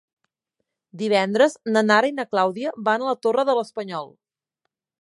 Divendres na Nara i na Clàudia van a la Torre de l'Espanyol.